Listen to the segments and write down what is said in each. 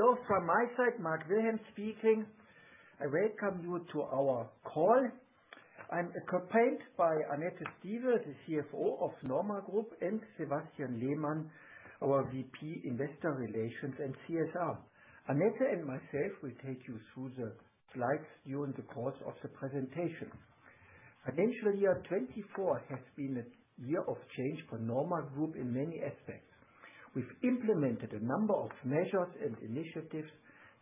Hello from my side, Mark Wilhelms speaking. I welcome you to our call. I'm accompanied by Annette Stieve, the CFO of Norma Group, and Sebastian Lehmann, our VP Investor Relations and CSR. Annette and myself will take you through the slides during the course of the presentation. Financial year 2024 has been a year of change for Norma Group in many aspects. We've implemented a number of measures and initiatives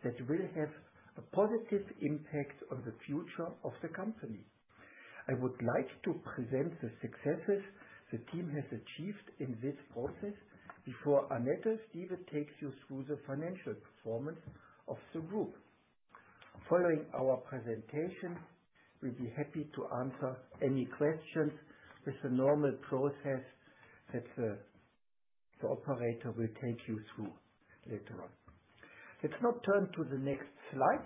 that will have a positive impact on the future of the company. I would like to present the successes the team has achieved in this process before Annette Stieve takes you through the financial performance of the group. Following our presentation, we'll be happy to answer any questions with the normal process that the operator will take you through later on. Let's now turn to the next slide.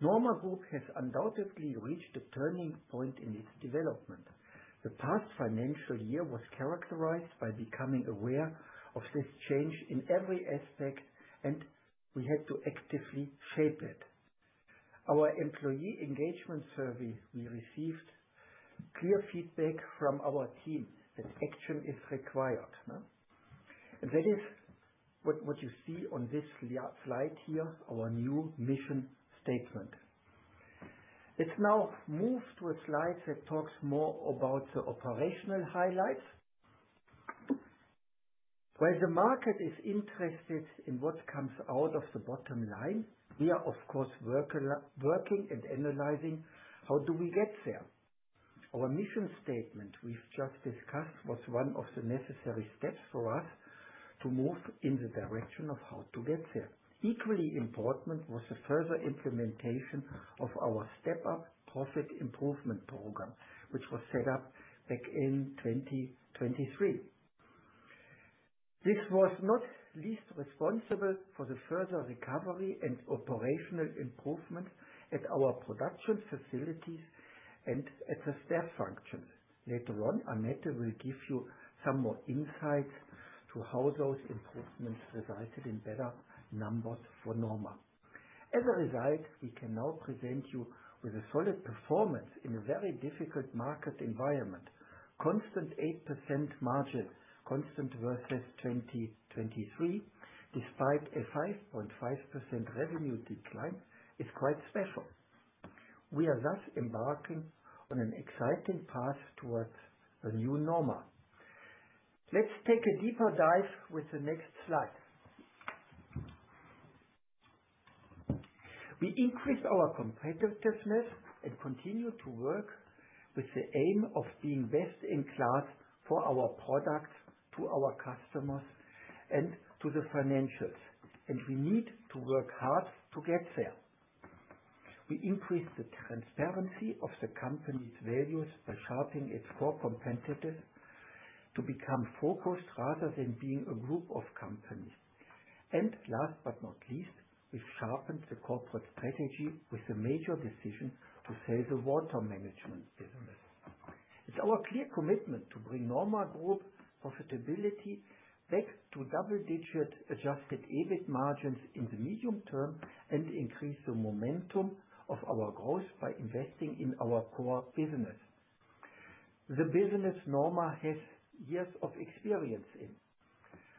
Norma Group has undoubtedly reached a turning point in its development. The past financial year was characterized by becoming aware of this change in every aspect, and we had to actively shape it. Our employee engagement survey, we received clear feedback from our team that action is required. That is what you see on this slide here, our new mission statement. Let's now move to a slide that talks more about the operational highlights. While the market is interested in what comes out of the bottom line, we are, of course, working and analyzing how do we get there. Our mission statement we've just discussed was one of the necessary steps for us to move in the direction of how to get there. Equally important was the further implementation of our Step Up profit improvement program, which was set up back in 2023. This was not least responsible for the further recovery and operational improvement at our production facilities and at the staff functions. Later on, Annette will give you some more insights to how those improvements resulted in better numbers for Norma. As a result, we can now present you with a solid performance in a very difficult market environment. Constant 8% margin, constant versus 2023, despite a 5.5% revenue decline, is quite special. We are thus embarking on an exciting path towards a new Norma. Let's take a deeper dive with the next slide. We increased our competitiveness and continue to work with the aim of being best in class for our product, to our customers, and to the financials. We need to work hard to get there. We increased the transparency of the company's values by sharpening its core competitors to become focused rather than being a group of companies. Last but not least, we've sharpened the corporate strategy with a major decision to sell the water management business. It's our clear commitment to bring Norma Group profitability back to double-digit adjusted EBIT margins in the medium term and increase the momentum of our growth by investing in our core business, the business Norma has years of experience in.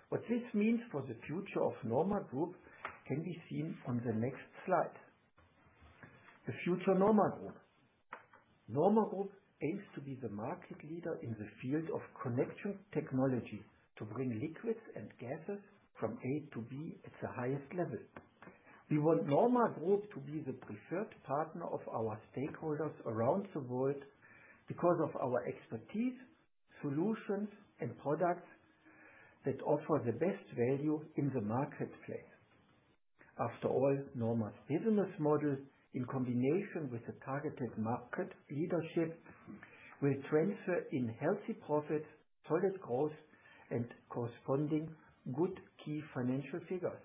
What this means for the future of Norma Group can be seen on the next slide. The future Norma Group. Norma Group aims to be the market leader in the field of connection technology to bring liquids and gases from A to B at the highest level. We want Norma Group to be the preferred partner of our stakeholders around the world because of our expertise, solutions, and products that offer the best value in the marketplace. After all, Norma's business model, in combination with the targeted market leadership, will transfer in healthy profits, solid growth, and corresponding good key financial figures.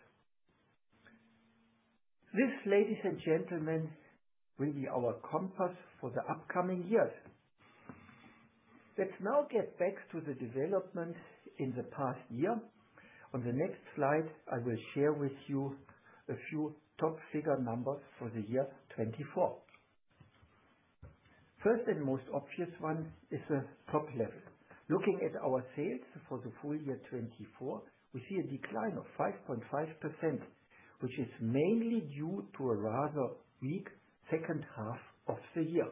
This, ladies and gentlemen, will be our compass for the upcoming years. Let's now get back to the development in the past year. On the next slide, I will share with you a few top figure numbers for the year 2024. First and most obvious one is the top level. Looking at our sales for the full year 2024, we see a decline of 5.5%, which is mainly due to a rather weak second half of the year.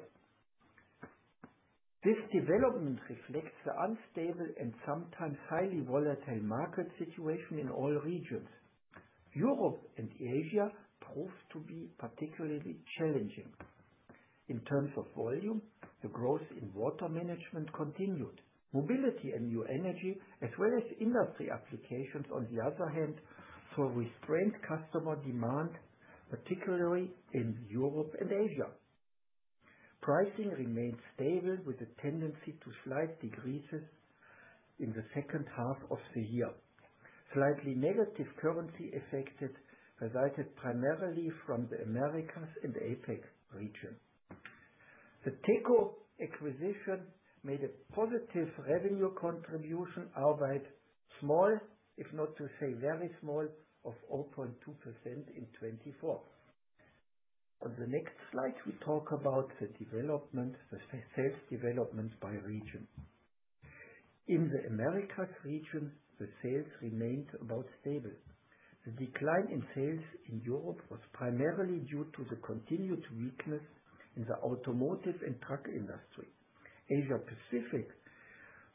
This development reflects the unstable and sometimes highly volatile market situation in all regions. Europe and Asia proved to be particularly challenging. In terms of volume, the growth in water management continued. Mobility and new energy, as well as industry applications, on the other hand, saw restrained customer demand, particularly in Europe and Asia. Pricing remained stable with a tendency to slight decreases in the second half of the year. Slightly negative currency effects resulted primarily from the Americas and APEC region. The TECO acquisition made a positive revenue contribution, albeit small, if not to say very small, of 0.2% in 2024. On the next slide, we talk about the development, the sales development by region. In the Americas region, the sales remained about stable. The decline in sales in Europe was primarily due to the continued weakness in the automotive and truck industry. Asia-Pacific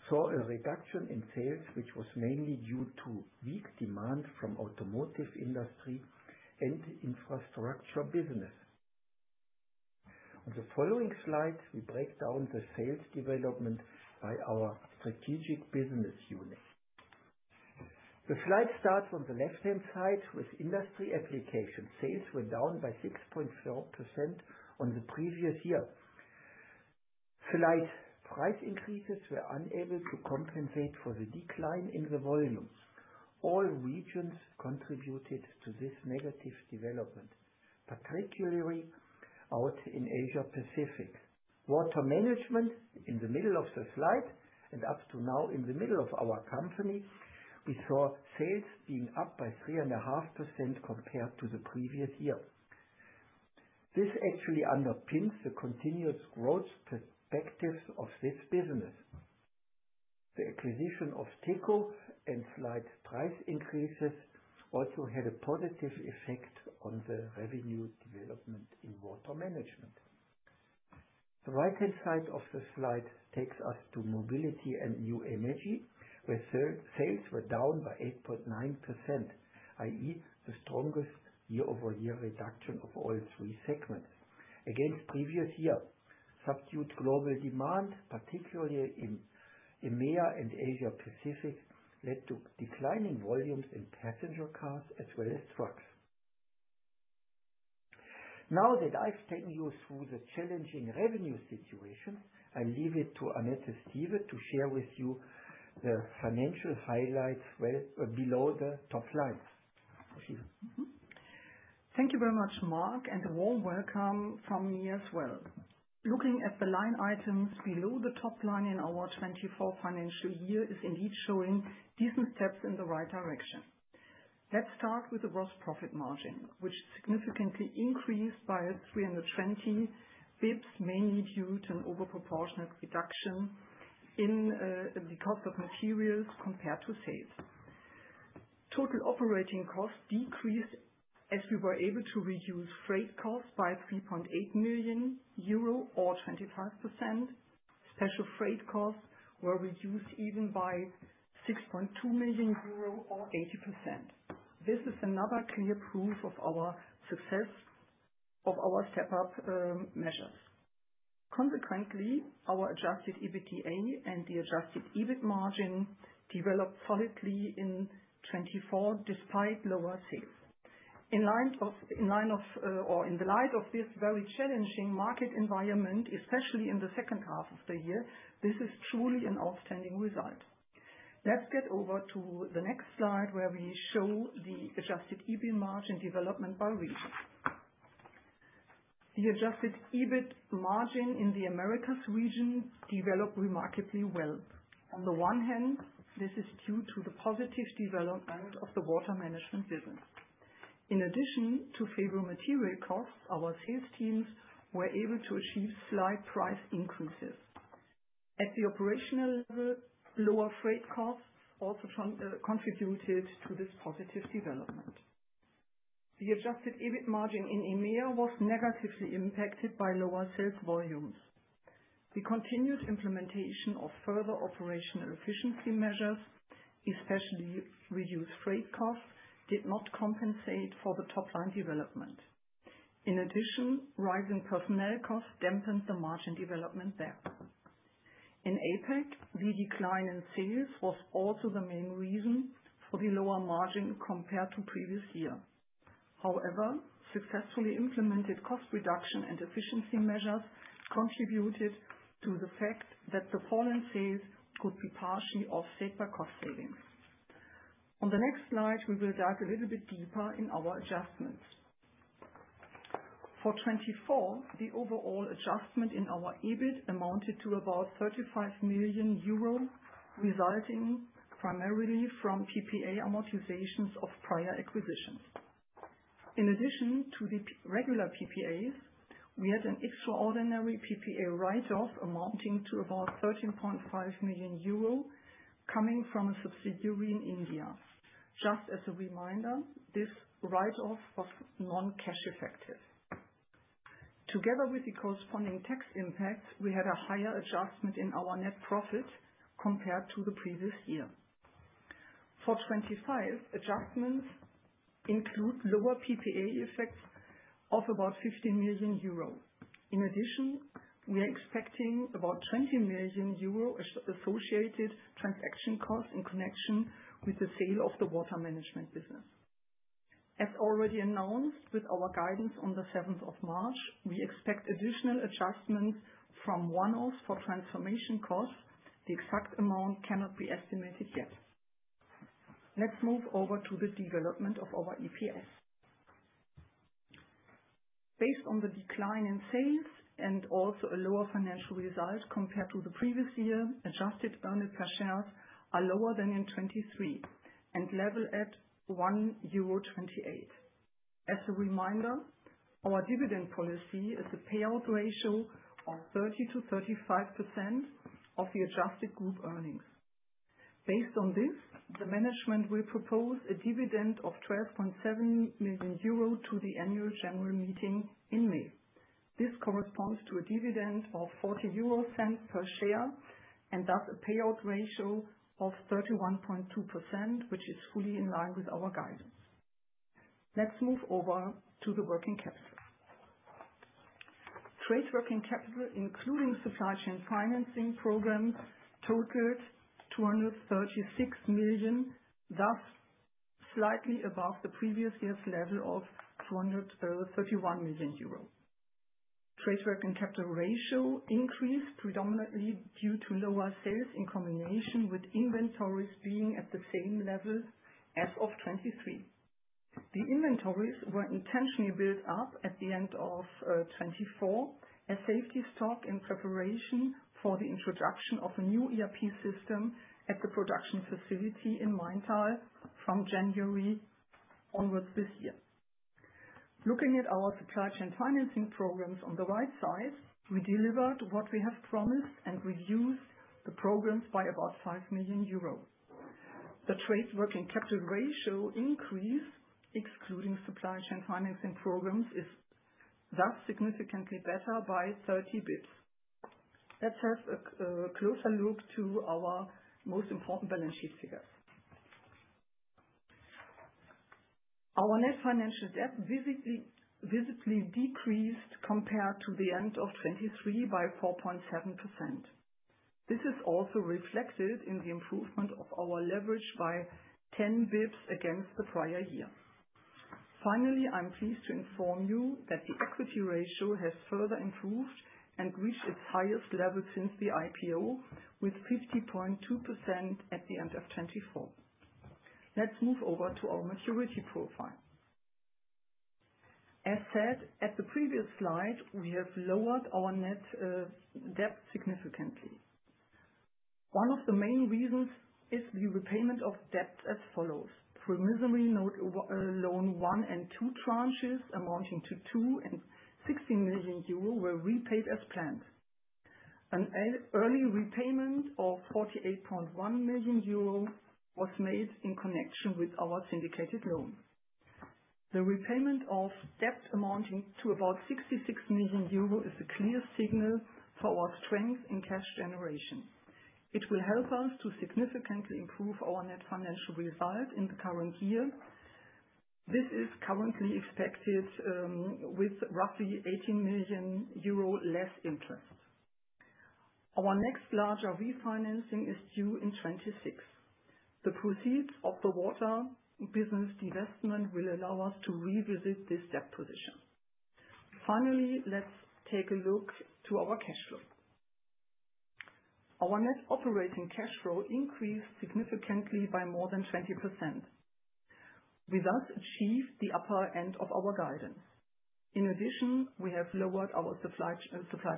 saw a reduction in sales, which was mainly due to weak demand from the automotive industry and infrastructure business. On the following slide, we break down the sales development by our strategic business unit. The slide starts on the left-hand side with industry applications. Sales were down by 6.4% on the previous year. Slight price increases were unable to compensate for the decline in the volume. All regions contributed to this negative development, particularly out in Asia-Pacific. Water management, in the middle of the slide and up to now in the middle of our company, we saw sales being up by 3.5% compared to the previous year. This actually underpins the continuous growth perspectives of this business. The acquisition of TECO and slight price increases also had a positive effect on the revenue development in water management. The right-hand side of the slide takes us to mobility and new energy, where sales were down by 8.9%, i.e., the strongest year-over-year reduction of all three segments. Against previous year, subdued global demand, particularly in EMEA and Asia-Pacific, led to declining volumes in passenger cars as well as trucks. Now that I've taken you through the challenging revenue situation, I leave it to Annette Stieve to share with you the financial highlights below the top line. Thank you very much, Mark, and a warm welcome from me as well. Looking at the line items below the top line in our 2024 financial year is indeed showing decent steps in the right direction. Let's start with the gross profit margin, which significantly increased by 320 basis points, mainly due to an overproportionate reduction in the cost of materials compared to sales. Total operating cost decreased as we were able to reduce freight costs by 3.8 million euro, or 25%. Special freight costs were reduced even by 6.2 million euro, or 80%. This is another clear proof of our success of our Step Up measures. Consequently, our adjusted EBITDA and the adjusted EBIT margin developed solidly in 2024 despite lower sales. In line of or in the light of this very challenging market environment, especially in the second half of the year, this is truly an outstanding result. Let's get over to the next slide where we show the adjusted EBIT margin development by region. The adjusted EBIT margin in the Americas region developed remarkably well. On the one hand, this is due to the positive development of the water management business. In addition to favorable material costs, our sales teams were able to achieve slight price increases. At the operational level, lower freight costs also contributed to this positive development. The adjusted EBIT margin in EMEA was negatively impacted by lower sales volumes. The continued implementation of further operational efficiency measures, especially reduced freight costs, did not compensate for the top-line development. In addition, rising personnel costs dampened the margin development there. In APEC, the decline in sales was also the main reason for the lower margin compared to the previous year. However, successfully implemented cost reduction and efficiency measures contributed to the fact that the fall in sales could be partially offset by cost savings. On the next slide, we will dive a little bit deeper in our adjustments. For 2024, the overall adjustment in our EBIT amounted to about 35 million euro, resulting primarily from PPA amortizations of prior acquisitions. In addition to the regular PPAs, we had an extraordinary PPA write-off amounting to about 13.5 million euro coming from a subsidiary in India. Just as a reminder, this write-off was non-cash effective. Together with the corresponding tax impacts, we had a higher adjustment in our net profit compared to the previous year. For 2025, adjustments include lower PPA effects of about 15 million euro. In addition, we are expecting about 20 million euro associated transaction costs in connection with the sale of the water management business. As already announced with our guidance on the 7th of March, we expect additional adjustments from one-offs for transformation costs. The exact amount cannot be estimated yet. Let's move over to the development of our EPS. Based on the decline in sales and also a lower financial result compared to the previous year, adjusted earnings per share are lower than in 2023 and level at 1.28 euro. As a reminder, our dividend policy is a payout ratio of 30-35% of the adjusted group earnings. Based on this, the management will propose a dividend of 12.7 million euro to the annual general meeting in May. This corresponds to a dividend of 0.40 per share and thus a payout ratio of 31.2%, which is fully in line with our guidance. Let's move over to the working capital. Trade working capital, including supply chain financing programs, totaled 236 million, thus slightly above the previous year's level of 231 million euros. Trade working capital ratio increased predominantly due to lower sales in combination with inventories being at the same level as of 2023. The inventories were intentionally built up at the end of 2024 as safety stock in preparation for the introduction of a new ERP system at the production facility in Maintal from January onwards this year. Looking at our supply chain financing programs on the right side, we delivered what we have promised and reduced the programs by about 5 million euros. The trade working capital ratio increase, excluding supply chain financing programs, is thus significantly better by 30 basis points. Let's have a closer look to our most important balance sheet figures. Our net financial debt visibly decreased compared to the end of 2023 by 4.7%. This is also reflected in the improvement of our leverage by 10 basis points against the prior year. Finally, I'm pleased to inform you that the equity ratio has further improved and reached its highest level since the IPO, with 50.2% at the end of 2024. Let's move over to our maturity profile. As said at the previous slide, we have lowered our net debt significantly. One of the main reasons is the repayment of debt as follows. Promissory note loan one and two tranches amounting to 2 million and 16 million euro were repaid as planned. An early repayment of 48.1 million euro was made in connection with our syndicated loan. The repayment of debt amounting to about 66 million euro is a clear signal for our strength in cash generation. It will help us to significantly improve our net financial result in the current year. This is currently expected with roughly 18 million euro less interest. Our next larger refinancing is due in 2026. The proceeds of the water business divestment will allow us to revisit this debt position. Finally, let's take a look to our cash flow. Our net operating cash flow increased significantly by more than 20%. We thus achieved the upper end of our guidance. In addition, we have lowered our supply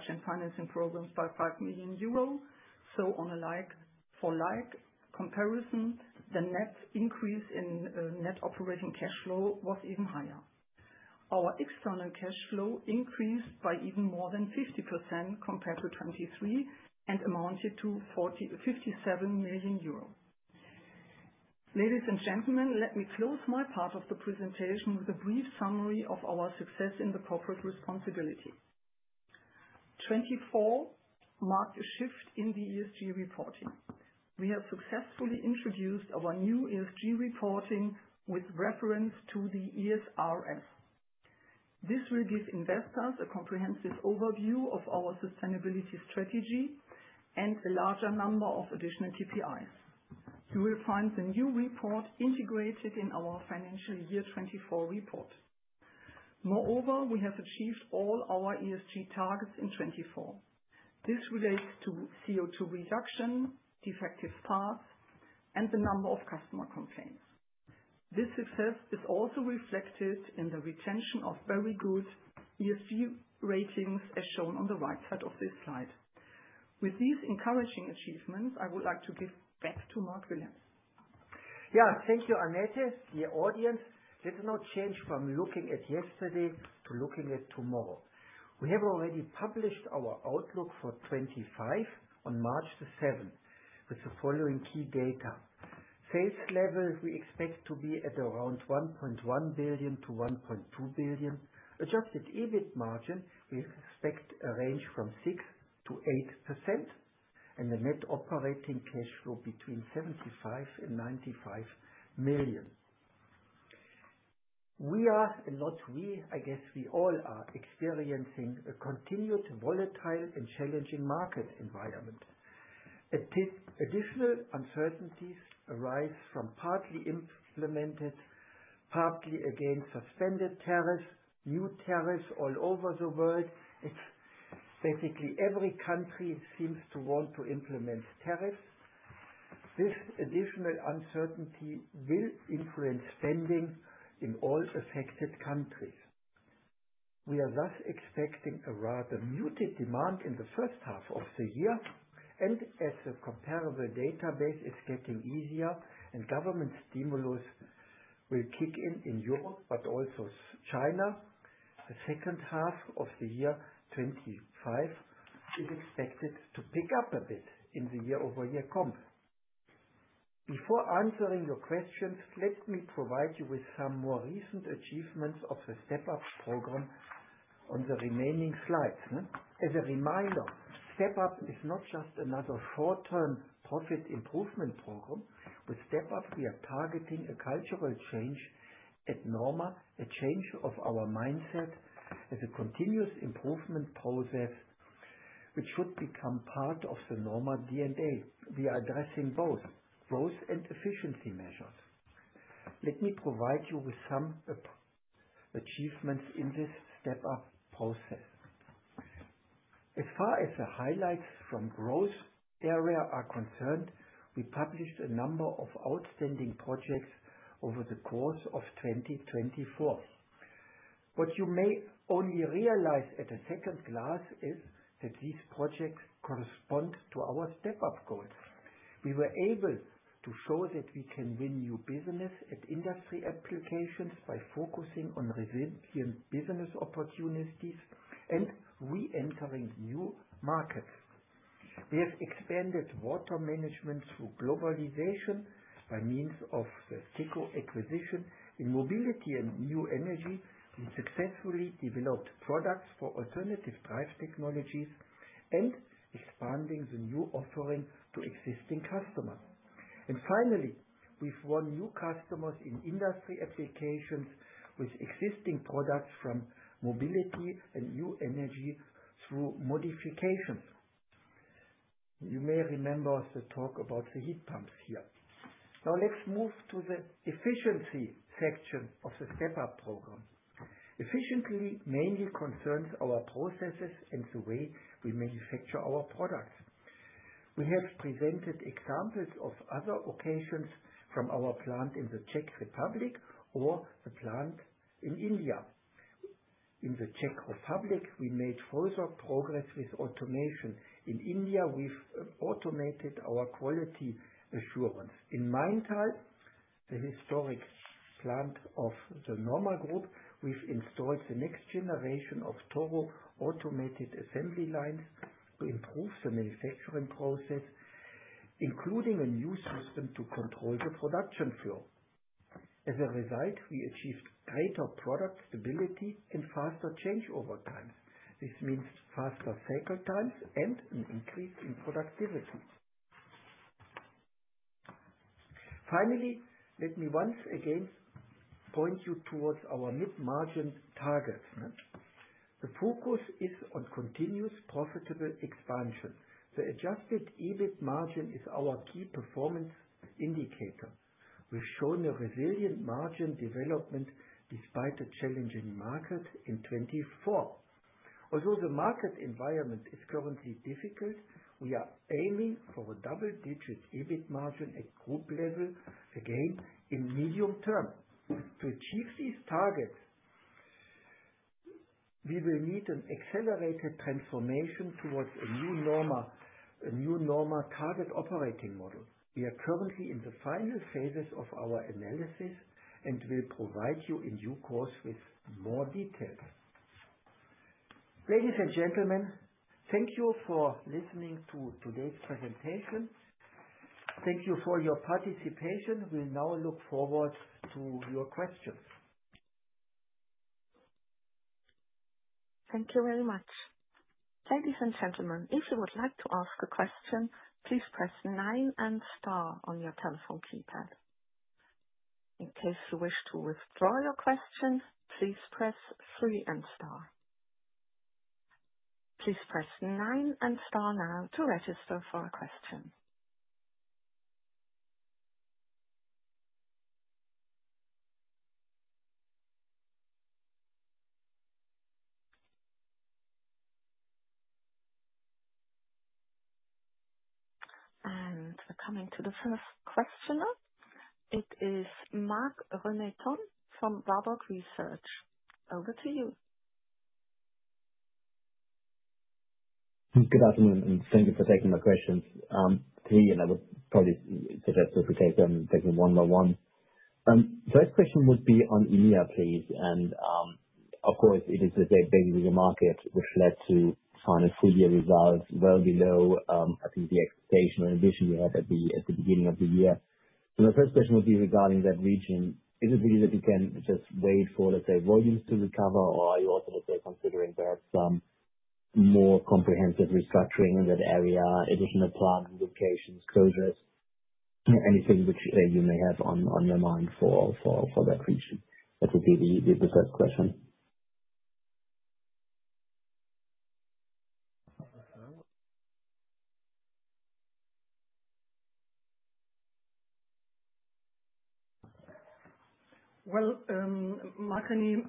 chain financing programs by 5 million euros. On a like-for-like comparison, the net increase in net operating cash flow was even higher. Our external cash flow increased by even more than 50% compared to 2023 and amounted to 57 million euros. Ladies and gentlemen, let me close my part of the presentation with a brief summary of our success in the corporate responsibility. 2024 marked a shift in the ESG reporting. We have successfully introduced our new ESG reporting with reference to the ESRS. This will give investors a comprehensive overview of our sustainability strategy and a larger number of additional KPIs. You will find the new report integrated in our financial year 2024 report. Moreover, we have achieved all our ESG targets in 2024. This relates to CO2 reduction, defective parts, and the number of customer complaints. This success is also reflected in the retention of very good ESG ratings as shown on the right side of this slide. With these encouraging achievements, I would like to give back to Mark Wilhelms. Yeah, thank you, Annette, dear audience. Let's now change from looking at yesterday to looking at tomorrow. We have already published our outlook for 2025 on March the 7th with the following key data. Sales level, we expect to be at around 1.1 billion-1.2 billion. Adjusted EBIT margin, we expect a range from 6%-8%, and the net operating cash flow between 75 million and 95 million. We are, and not we, I guess we all are experiencing a continued volatile and challenging market environment. Additional uncertainties arise from partly implemented, partly again suspended tariffs, new tariffs all over the world. Basically, every country seems to want to implement tariffs. This additional uncertainty will influence spending in all affected countries. We are thus expecting a rather muted demand in the first half of the year, and as a comparable database is getting easier and government stimulus will kick in in Europe, but also China, the second half of the year 2025 is expected to pick up a bit in the year-over-year comp. Before answering your questions, let me provide you with some more recent achievements of the Step Up program on the remaining slides. As a reminder, Step Up is not just another short-term profit improvement program. With Step Up, we are targeting a cultural change at NORMA, a change of our mindset as a continuous improvement process, which should become part of the NORMA DNA. We are addressing both growth and efficiency measures. Let me provide you with some achievements in this Step Up process. As far as the highlights from growth area are concerned, we published a number of outstanding projects over the course of 2024. What you may only realize at a second glance is that these projects correspond to our Step Up goals. We were able to show that we can win new business at industry applications by focusing on resilient business opportunities and re-entering new markets. We have expanded water management through globalization by means of the TECO acquisition in mobility and new energy. We successfully developed products for alternative drive technologies and expanding the new offering to existing customers. Finally, we've won new customers in industry applications with existing products from mobility and new energy through modifications. You may remember the talk about the heat pumps here. Now let's move to the efficiency section of the Step Up program. Efficiency mainly concerns our processes and the way we manufacture our products. We have presented examples of other occasions from our plant in the Czech Republic or the plant in India. In the Czech Republic, we made further progress with automation. In India, we've automated our quality assurance. In Maintal, the historic plant of the NORMA Group, we've installed the next generation of TORRO automated assembly lines to improve the manufacturing process, including a new system to control the production flow. As a result, we achieved greater product stability and faster changeover times. This means faster cycle times and an increase in productivity. Finally, let me once again point you towards our mid-margin targets. The focus is on continuous profitable expansion. The adjusted EBIT margin is our key performance indicator. We've shown a resilient margin development despite the challenging market in 2024. Although the market environment is currently difficult, we are aiming for a double-digit EBIT margin at group level, again in the medium term. To achieve these targets, we will need an accelerated transformation towards a new NORMA target operating model. We are currently in the final phases of our analysis and will provide you in due course with more details. Ladies and gentlemen, thank you for listening to today's presentation. Thank you for your participation. We now look forward to your questions. Thank you very much. Ladies and gentlemen, if you would like to ask a question, please press nine and star on your telephone keypad. In case you wish to withdraw your question, please press three and star. Please press nine and star now to register for a question. We are coming to the first questioner. It is Marc-René Tonn from Warburg Research. Over to you. Good afternoon, and thank you for taking my questions. Three, and I would probably suggest that we take them one by one. First question would be on EMEA, please. It is a very big market, which led to final full-year results well below, I think, the expectation or ambition we had at the beginning of the year. My first question would be regarding that region. Is it really that you can just wait for, let's say, volumes to recover, or are you also, let's say, considering there are some more comprehensive restructuring in that area, additional plant locations, closures, anything which you may have on your mind for that region? That would be the first question. Marc and me,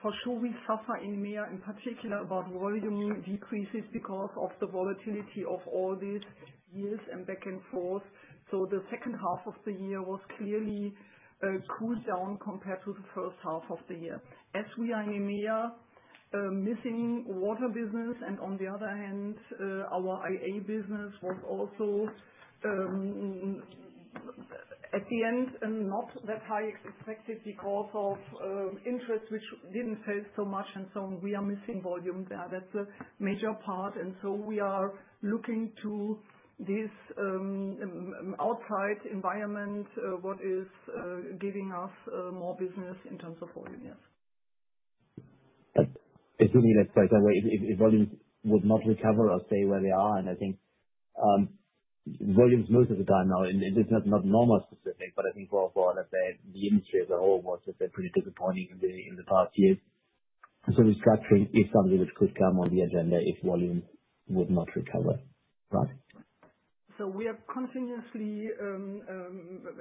for sure, we suffer in EMEA in particular about volume decreases because of the volatility of all these years and back and forth. The second half of the year was clearly cooled down compared to the first half of the year. As we are in EMEA, missing water business, and on the other hand, our IA business was also at the end not that high as expected because of interest, which did not fail so much, and so on. We are missing volume there. That is a major part. We are looking to this outside environment, what is giving us more business in terms of volume, yes. Assuming, let's say, if volumes would not recover, I'll say where they are. I think volumes most of the time now, and it's not NORMA specific, but I think for, let's say, the industry as a whole was pretty disappointing in the past years. Restructuring is something which could come on the agenda if volumes would not recover, right? We are continuously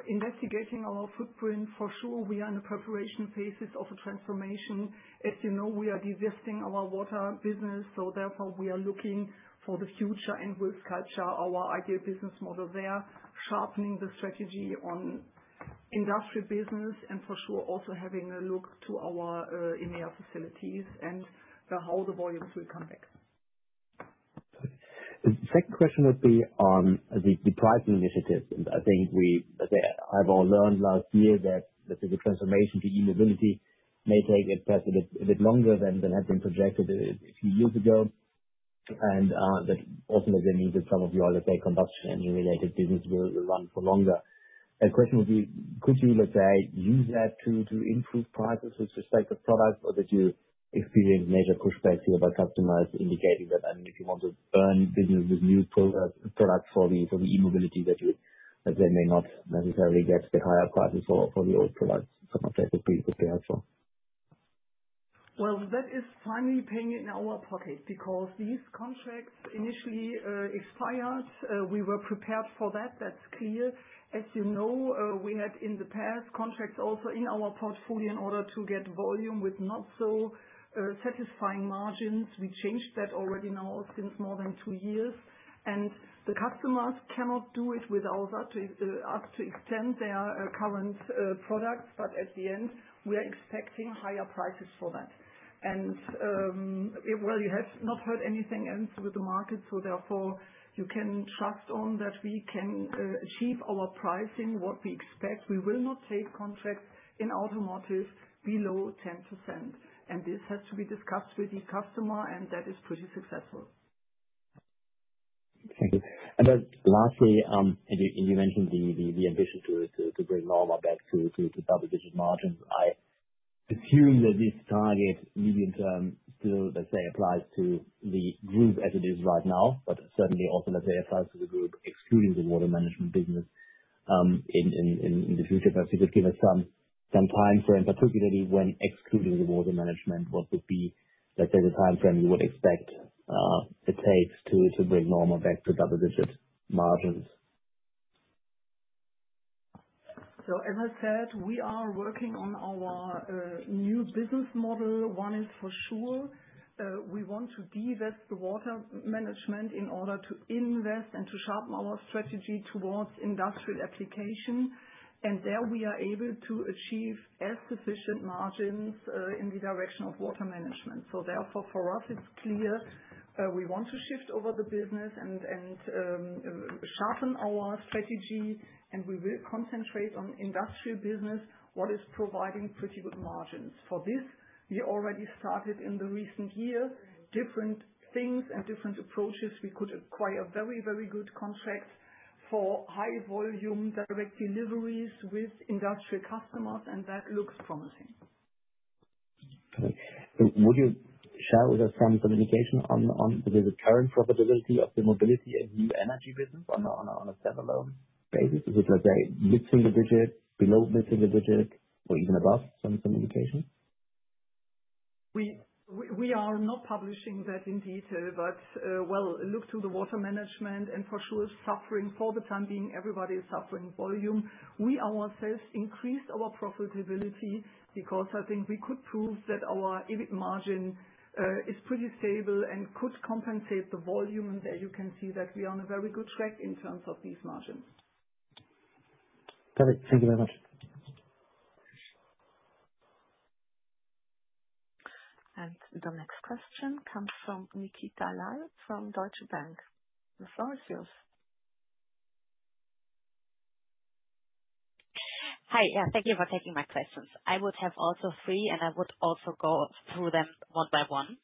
investigating our footprint. For sure, we are in the preparation phases of a transformation. As you know, we are divesting our water business. Therefore, we are looking for the future and will sculpture our ideal business model there, sharpening the strategy on industry business, and for sure, also having a look to our EMEA facilities and how the volumes will come back. Second question would be on the pricing initiative. I think I've all learned last year that the transformation to e-mobility may take a bit longer than had been projected a few years ago, and that ultimately means that some of your, let's say, combustion engine-related business will run for longer. The question would be, could you, let's say, use that to improve prices with respect to products, or did you experience major pushbacks here by customers indicating that, I mean, if you want to burn business with new products for the e-mobility that you, let's say, may not necessarily get higher prices for the old products? Some objectives could be helpful. That is finally paying in our pocket because these contracts initially expired. We were prepared for that. That's clear. As you know, we had in the past contracts also in our portfolio in order to get volume with not-so-satisfying margins. We changed that already now since more than two years. The customers cannot do it without us to extend their current products. At the end, we are expecting higher prices for that. You have not heard anything else with the market, so therefore, you can trust on that we can achieve our pricing, what we expect. We will not take contracts in automotive below 10%. This has to be discussed with the customer, and that is pretty successful. Thank you. Lastly, you mentioned the ambition to bring NORMA back to double-digit margins. I assume that this target, medium term, still, let's say, applies to the group as it is right now, but certainly also, let's say, applies to the group excluding the water management business in the future. If you could give us some time frame, particularly when excluding the water management, what would be, let's say, the time frame you would expect it takes to bring NORMA back to double-digit margins? As I said, we are working on our new business model. One is for sure. We want to divest the water management in order to invest and to sharpen our strategy towards industrial application. There we are able to achieve as sufficient margins in the direction of water management. Therefore, for us, it's clear we want to shift over the business and sharpen our strategy, and we will concentrate on industrial business, what is providing pretty good margins. For this, we already started in the recent year different things and different approaches. We could acquire very, very good contracts for high-volume direct deliveries with industrial customers, and that looks promising. Would you share with us some communication on the current profitability of the mobility and new energy business on a standalone basis? Is it, let's say, mid-single digit, below mid-single digit, or even above some indication? We are not publishing that in detail, but look to the water management, and for sure, suffering for the time being, everybody is suffering volume. We ourselves increased our profitability because I think we could prove that our EBIT margin is pretty stable and could compensate the volume. There you can see that we are on a very good track in terms of these margins. Perfect. Thank you very much. The next question comes from Nikita Lai from Deutsche Bank. The floor is yours. Hi. Yeah, thank you for taking my questions. I would have also three, and I would also go through them one by one.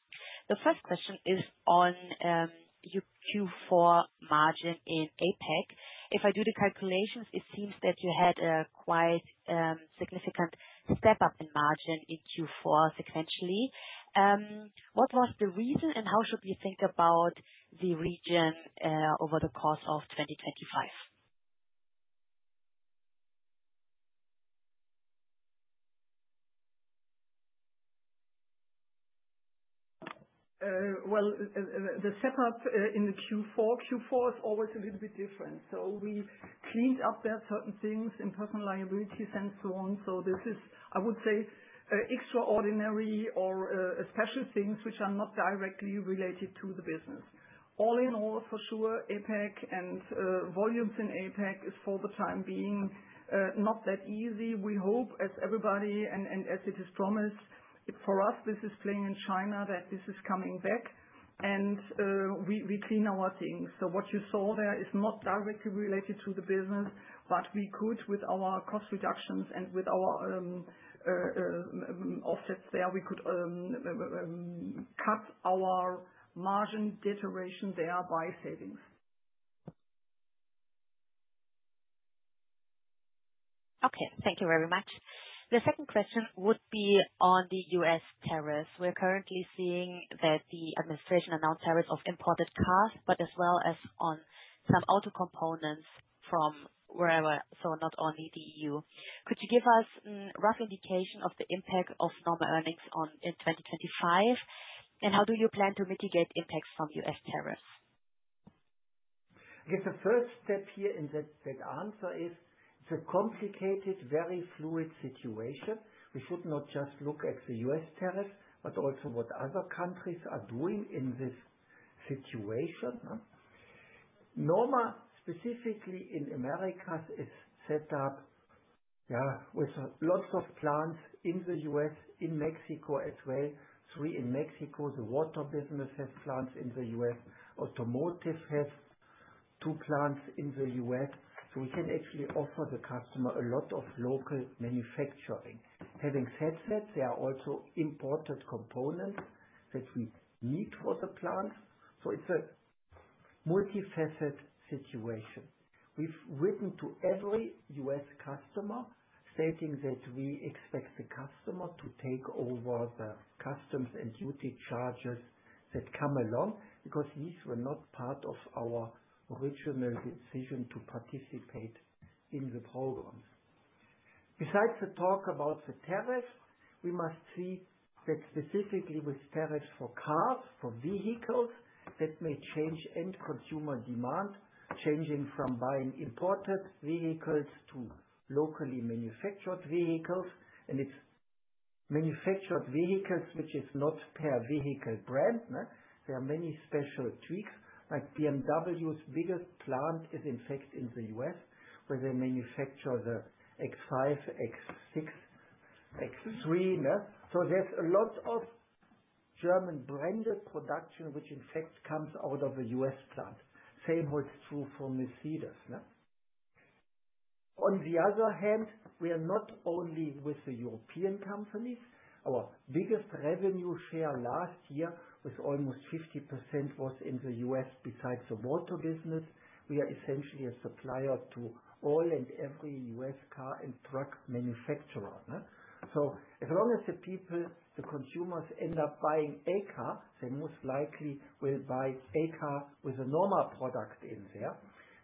The first question is on your Q4 margin in APEC. If I do the calculations, it seems that you had a quite significant Step Up in margin in Q4 sequentially. What was the reason, and how should we think about the region over the course of 2025? The Step Up in the Q4, Q4 is always a little bit different. We cleaned up there certain things in personal liability and so on. This is, I would say, extraordinary or special things which are not directly related to the business. All in all, for sure, APEC and volumes in APEC is for the time being not that easy. We hope, as everybody and as it is promised, for us, this is playing in China, that this is coming back, and we clean our things. What you saw there is not directly related to the business, but we could, with our cost reductions and with our offsets there, we could cut our margin deterioration there by savings. Okay. Thank you very much. The second question would be on the U.S. tariffs. We're currently seeing that the administration announced tariffs on imported cars, but as well as on some auto components from wherever, so not only the EU. Could you give us a rough indication of the impact of NORMA earnings in 2025, and how do you plan to mitigate impacts from U.S. tariffs? I guess the first step here in that answer is it's a complicated, very fluid situation. We should not just look at the U.S. tariffs, but also what other countries are doing in this situation. NORMA, specifically in America, is set up, yeah, with lots of plants in the U.S., in Mexico as well. Three in Mexico. The water business has plants in the U.S. Automotive has two plants in the U.S. We can actually offer the customer a lot of local manufacturing. Having said that, there are also imported components that we need for the plants. It is a multifaceted situation. We've written to every U.S. customer, stating that we expect the customer to take over the customs and duty charges that come along because these were not part of our original decision to participate in the programs. Besides the talk about the tariffs, we must see that specifically with tariffs for cars, for vehicles, that may change end consumer demand, changing from buying imported vehicles to locally manufactured vehicles. It is manufactured vehicles, which is not per vehicle brand. There are many special tweaks. Like BMW's biggest plant is, in fact, in the U.S., where they manufacture the X5, X6, X3. There is a lot of German-branded production, which, in fact, comes out of a U.S. plant. The same holds true for Mercedes. On the other hand, we are not only with the European companies. Our biggest revenue share last year, with almost 50%, was in the U.S. besides the water business. We are essentially a supplier to all and every U.S. car and truck manufacturer. As long as the people, the consumers, end up buying a car, they most likely will buy a car with a NORMA product in there.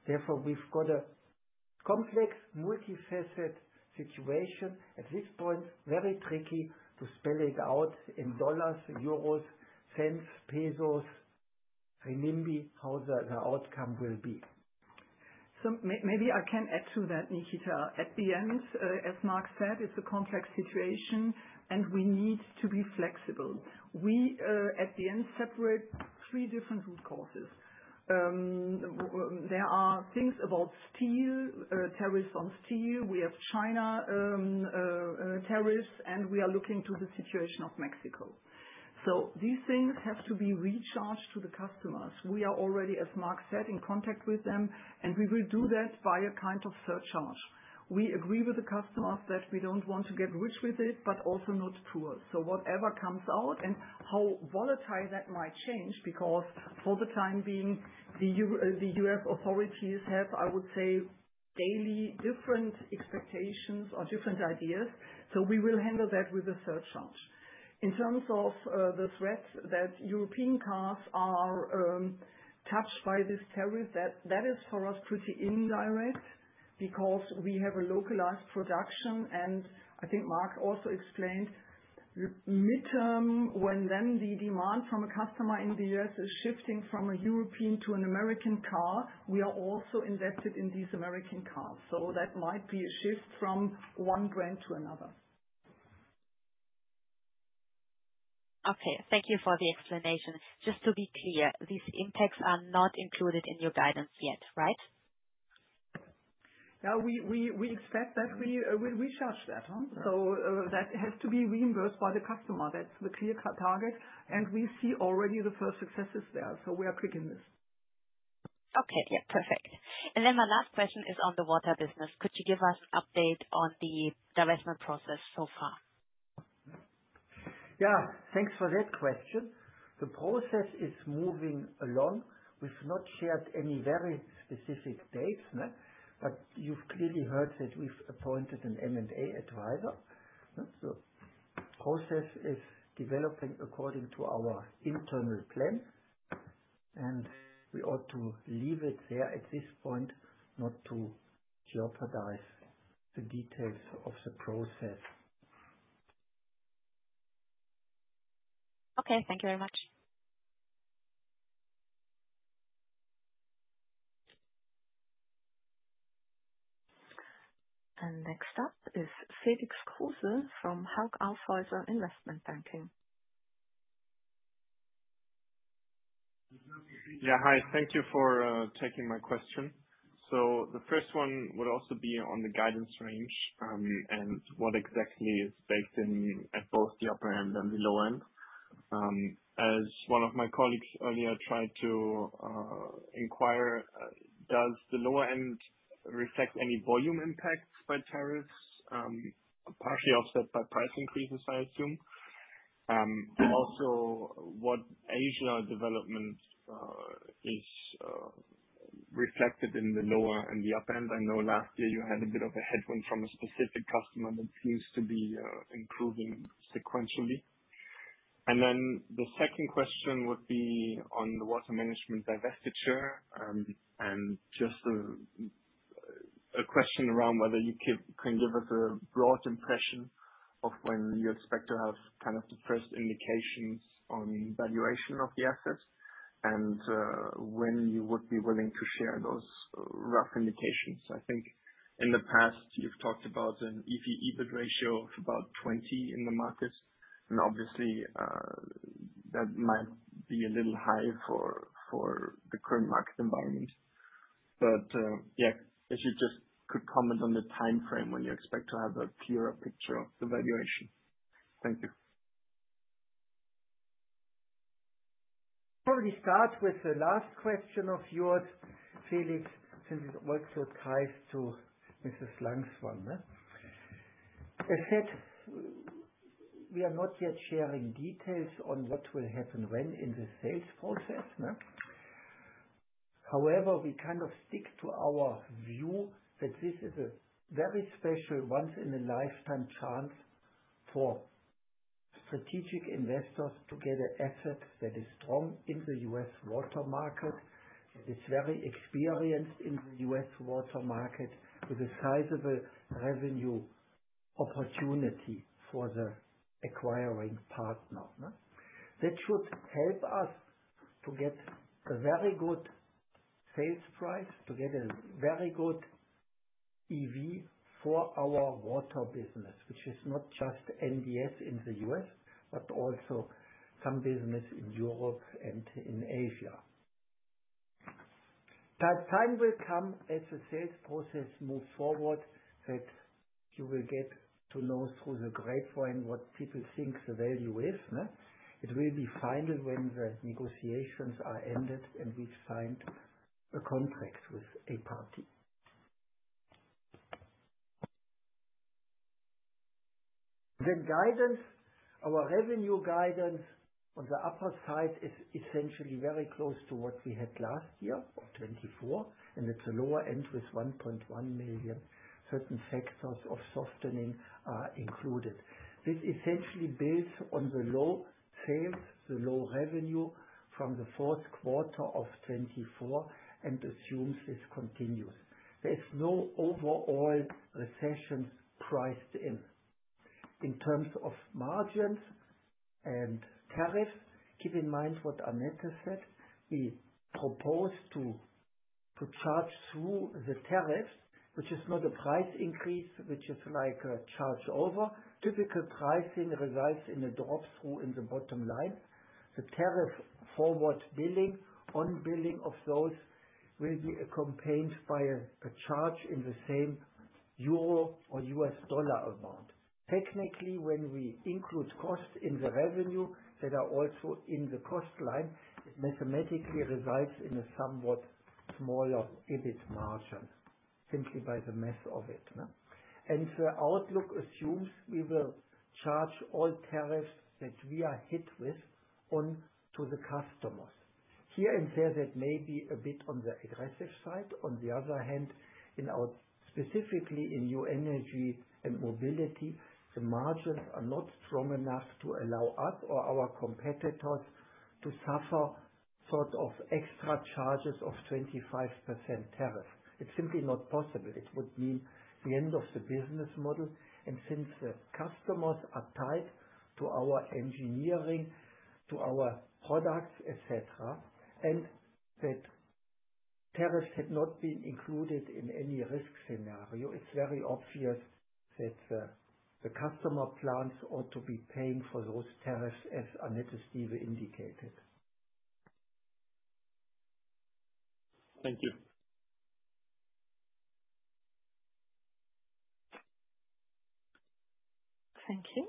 Therefore, we've got a complex, multifaceted situation. At this point, very tricky to spell it out in dollars, euros, cents, pesos, renminbi, how the outcome will be. Maybe I can add to that, Nikita. At the end, as Mark said, it's a complex situation, and we need to be flexible. We, at the end, separate three different root causes. There are things about steel, tariffs on steel. We have China tariffs, and we are looking to the situation of Mexico. These things have to be recharged to the customers. We are already, as Mark said, in contact with them, and we will do that by a kind of surcharge. We agree with the customers that we don't want to get rich with it, but also not poor. Whatever comes out and how volatile that might change, because for the time being, the U.S. authorities have, I would say, daily different expectations or different ideas. We will handle that with a surcharge. In terms of the threat that European cars are touched by this tariff, that is for us pretty indirect because we have a localized production. I think Mark also explained midterm when then the demand from a customer in the U.S. is shifting from a European to an American car, we are also invested in these American cars. That might be a shift from one brand to another. Okay. Thank you for the explanation. Just to be clear, these impacts are not included in your guidance yet, right? Yeah. We expect that we recharge that. That has to be reimbursed by the customer. That's the clear target. We see already the first successes there. We are clicking this. Okay. Yeah. Perfect. My last question is on the water business. Could you give us an update on the divestment process so far? Yeah. Thanks for that question. The process is moving along. We've not shared any very specific dates, but you've clearly heard that we've appointed an M&A advisor. The process is developing according to our internal plan, and we ought to leave it there at this point, not to jeopardize the details of the process. Okay. Thank you very much. Next up is Felix Kruse from Hauck Aufhäuser Investment Banking. Yeah. Hi. Thank you for taking my question. The first one would also be on the guidance range and what exactly is baked in at both the upper end and the low end. As one of my colleagues earlier tried to inquire, does the lower end reflect any volume impacts by tariffs, partially offset by price increases, I assume? Also, what Asia development is reflected in the lower and the upper end? I know last year you had a bit of a headwind from a specific customer that seems to be improving sequentially. The second question would be on the water management divestiture and just a question around whether you can give us a broad impression of when you expect to have kind of the first indications on valuation of the assets and when you would be willing to share those rough indications. I think in the past, you've talked about an EV/EBIT ratio of about 20 in the market. Obviously, that might be a little high for the current market environment. If you just could comment on the time frame when you expect to have a clearer picture of the valuation. Thank you. Probably start with the last question of yours, Felix, since it also ties to Mrs. Lang's one. As said, we are not yet sharing details on what will happen when in the sales process. However, we kind of stick to our view that this is a very special once-in-a-lifetime chance for strategic investors to get an asset that is strong in the U.S. water market, that is very experienced in the U.S. water market, with a sizable revenue opportunity for the acquiring partner. That should help us to get a very good sales price, to get a very good EV for our water business, which is not just NDS in the U.S., but also some business in Europe and in Asia. Time will come as the sales process moves forward that you will get to know through the grapevine what people think the value is. It will be final when the negotiations are ended and we've signed a contract with a party. Guidance, our revenue guidance on the upper side is essentially very close to what we had last year, 2024, and it's a lower end with 1.1 million. Certain factors of softening are included. This essentially builds on the low sales, the low revenue from the fourth quarter of 2024, and assumes this continues. There is no overall recession priced in. In terms of margins and tariffs, keep in mind what Annette said. We propose to charge through the tariffs, which is not a price increase, which is like a charge over. Typical pricing results in a drop-through in the bottom line. The tariff forward billing, on-billing of those will be accompanied by a charge in the same EUR or $ amount. Technically, when we include costs in the revenue that are also in the cost line, it mathematically results in a somewhat smaller EBIT margin, simply by the math of it. The outlook assumes we will charge all tariffs that we are hit with on to the customers. Here and there, that may be a bit on the aggressive side. On the other hand, specifically in new energy and mobility, the margins are not strong enough to allow us or our competitors to suffer sort of extra charges of 25% tariff. It's simply not possible. It would mean the end of the business model. Since the customers are tied to our engineering, to our products, etc., and that tariffs had not been included in any risk scenario, it's very obvious that the customer plans ought to be paying for those tariffs, as Annette Stieve indicated. Thank you. Thank you.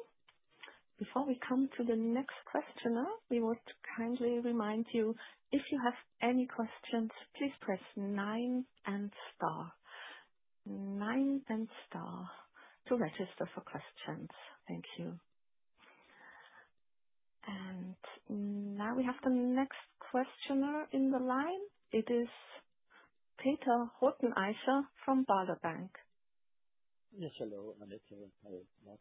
Before we come to the next questioner, we would kindly remind you, if you have any questions, please press nine and star. Nine and star to register for questions. Thank you. Now we have the next questioner in the line. It is Peter Rothenaicher from Baader Bank. Yes. Hello, Annette. Hello, Mark.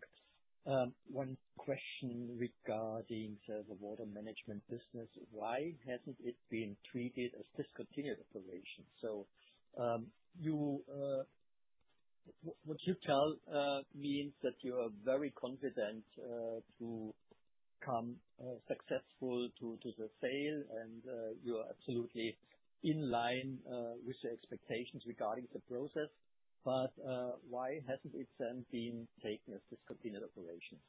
One question regarding the water management business. Why hasn't it been treated as discontinued operation? What you tell means that you are very confident to come successful to the sale, and you are absolutely in line with the expectations regarding the process. Why hasn't it then been taken as discontinued operations?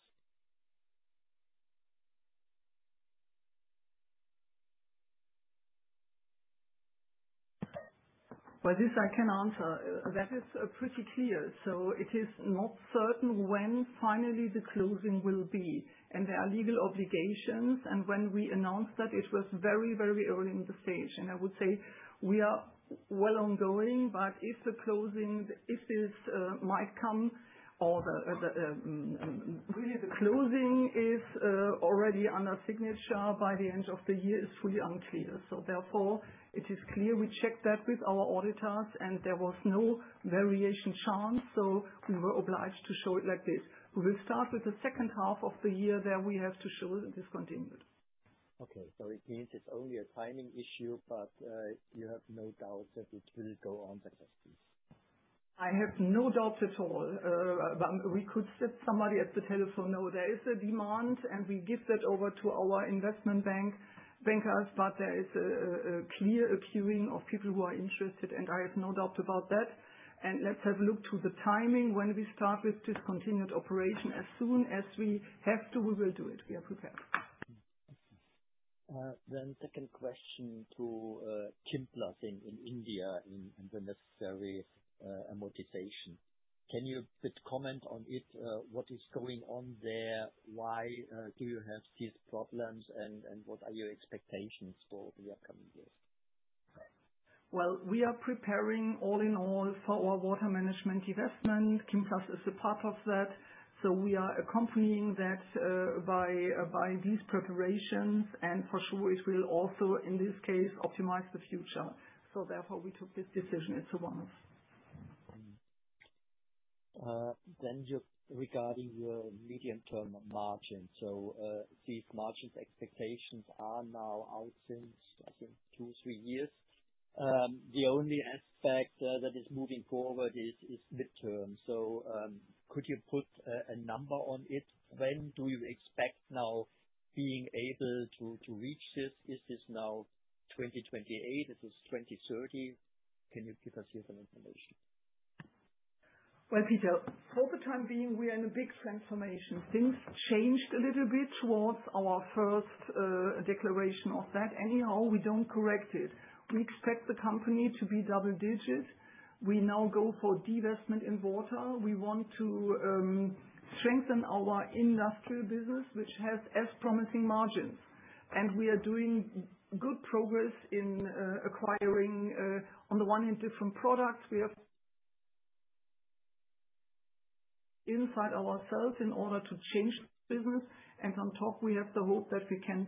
I can answer. That is pretty clear. It is not certain when finally the closing will be. There are legal obligations. When we announced that, it was very, very early in the stage. I would say we are well ongoing. If the closing, if this might come or really the closing is already under signature by the end of the year, it is fully unclear. Therefore, it is clear we checked that with our auditors, and there was no variation chance. We were obliged to show it like this. We will start with the second half of the year that we have to show discontinued. Okay. So it means it's only a timing issue, but you have no doubt that it will go on successfully? I have no doubts at all. We could sit somebody at the telephone now. There is a demand, and we give that over to our investment bankers, but there is a clear appearing of people who are interested, and I have no doubt about that. Let's have a look to the timing when we start with discontinued operation. As soon as we have to, we will do it. We are prepared. The second question to Kimplas in India and the necessary amortization. Can you comment on it? What is going on there? Why do you have these problems? What are your expectations for the upcoming years? We are preparing all in all for our water management investment. Kimplas is a part of that. We are accompanying that by these preparations. For sure, it will also, in this case, optimize the future. Therefore, we took this decision. It's a bonus. Regarding your medium-term margin. These margin expectations are now out since, I think, two, three years. The only aspect that is moving forward is midterm. Could you put a number on it? When do you expect now being able to reach this? Is this now 2028? Is this 2030? Can you give us some information? Peter, for the time being, we are in a big transformation. Things changed a little bit towards our first declaration of that. Anyhow, we do not correct it. We expect the company to be double-digit. We now go for divestment in water. We want to strengthen our industrial business, which has promising margins. We are doing good progress in acquiring, on the one hand, different products. We have inside ourselves in order to change the business. On top, we have the hope that we can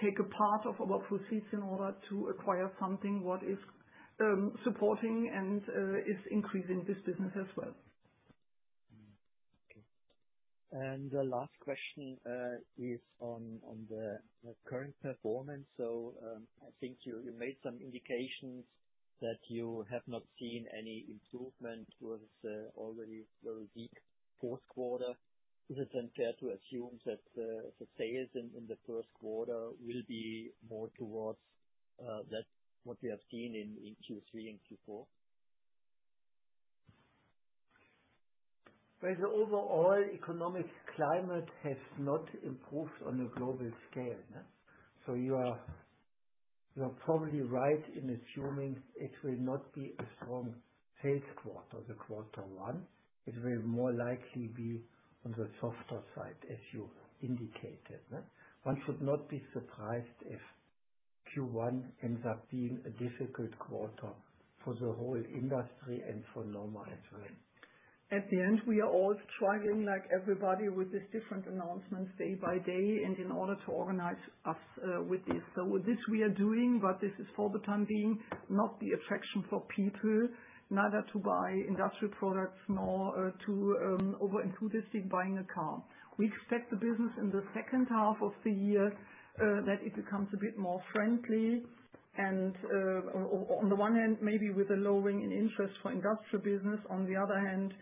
take a part of our proceeds in order to acquire something that is supporting and is increasing this business as well. Okay. The last question is on the current performance. I think you made some indications that you have not seen any improvement with already very weak fourth quarter. Is it then fair to assume that the sales in the first quarter will be more towards what we have seen in Q3 and Q4? The overall economic climate has not improved on a global scale. You are probably right in assuming it will not be a strong sales quarter or the quarter one. It will more likely be on the softer side, as you indicated. One should not be surprised if Q1 ends up being a difficult quarter for the whole industry and for Norma as well. At the end, we are all struggling like everybody with these different announcements day by day in order to organize us with this. This we are doing, but this is for the time being not the attraction for people, neither to buy industrial products nor to over intruders in buying a car. We expect the business in the second half of the year that it becomes a bit more friendly. On the one hand, maybe with a lowering in interest for industrial business. On the other hand,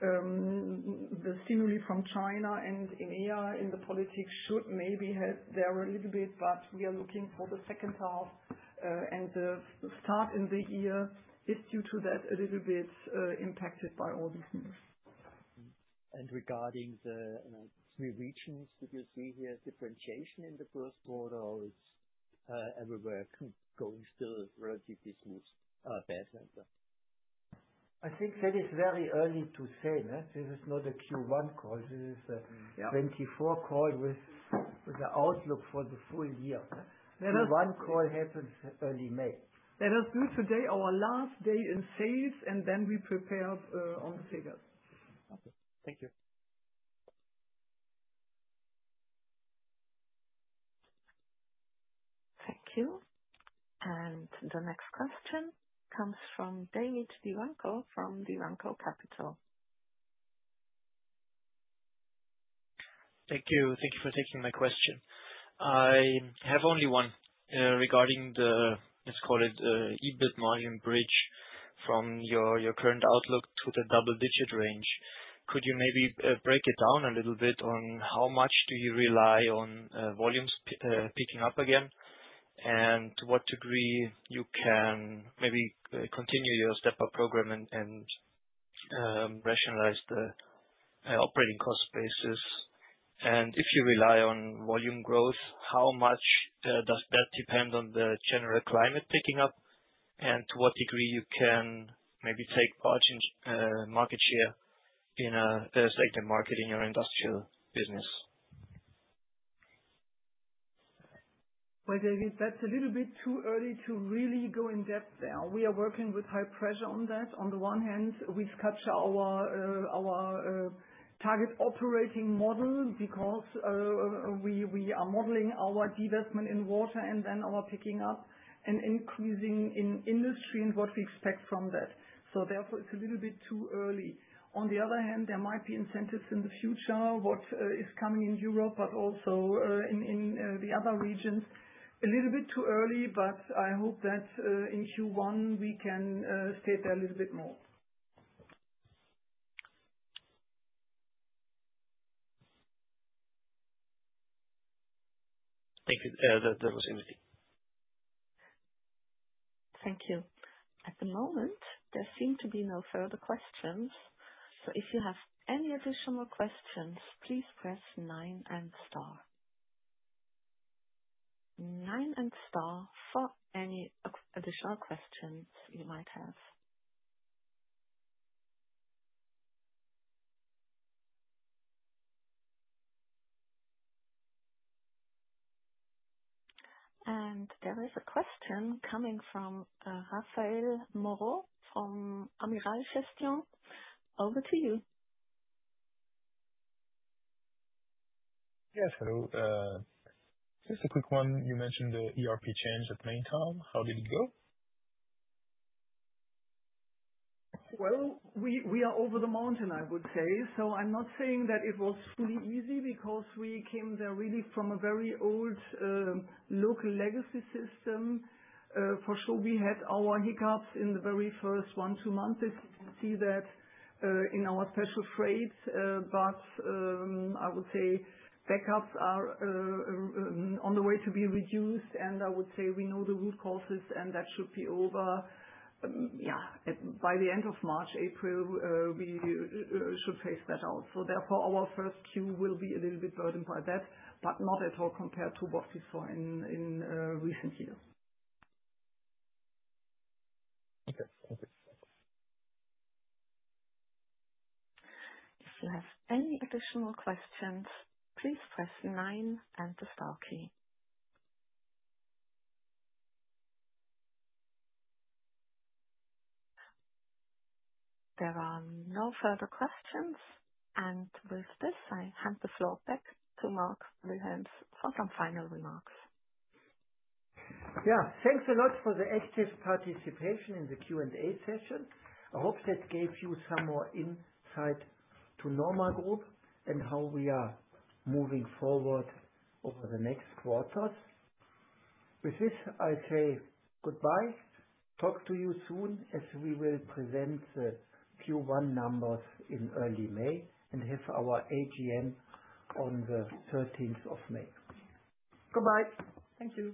the stimuli from China and EMEA in the politics should maybe help there a little bit. We are looking for the second half and the start in the year is due to that a little bit impacted by all these news. Regarding the three regions, did you see here differentiation in the first quarter, or is everywhere going still relatively smooth? I think that is very early to say. This is not a Q1 call. This is a 2024 call with the outlook for the full year. Q1 call happens early May. That is due today, our last day in sales, and then we prepare on the figures. Okay. Thank you. Thank you. The next question comes from David Diranko from Diranko Capital. Thank you. Thank you for taking my question. I have only one regarding the, let's call it, EBIT margin bridge from your current outlook to the double-digit range. Could you maybe break it down a little bit on how much do you rely on volumes picking up again and to what degree you can maybe continue your Step Up program and rationalize the operating cost basis? If you rely on volume growth, how much does that depend on the general climate picking up and to what degree you can maybe take margin market share in a segment market in your industrial business? David, that's a little bit too early to really go in depth there. We are working with high pressure on that. On the one hand, we scratch our target operating model because we are modeling our divestment in water and then our picking up and increasing in industry and what we expect from that. Therefore, it's a little bit too early. On the other hand, there might be incentives in the future, what is coming in Europe, but also in the other regions. A little bit too early, but I hope that in Q1 we can stay there a little bit more. Thank you. That was everything. Thank you. At the moment, there seem to be no further questions. If you have any additional questions, please press nine and star. Nine and star for any additional questions you might have. There is a question coming from Raphaël Moreau from Amiral Gestion. Over to you. Yes. Just a quick one. You mentioned the ERP change at Maintal. How did it go? We are over the mountain, I would say. I'm not saying that it was fully easy because we came there really from a very old local legacy system. For sure, we had our hiccups in the very first one, two months. You can see that in our special freight. I would say backups are on the way to be reduced. I would say we know the root causes, and that should be over, yeah, by the end of March, April, we should phase that out. Therefore, our first Q will be a little bit burdened by that, but not at all compared to what we saw in recent years. Okay. Thank you. If you have any additional questions, please press nine and the star key. There are no further questions. With this, I hand the floor back to Mark Wilhelms for some final remarks. Yeah. Thanks a lot for the active participation in the Q&A session. I hope that gave you some more insight to Norma Group and how we are moving forward over the next quarters. With this, I say goodbye. Talk to you soon as we will present the Q1 numbers in early May and have our AGM on the 13th of May. Goodbye. Thank you.